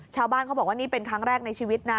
ชาวบ้านเขาบอกว่านี่เป็นครั้งแรกในชีวิตนะ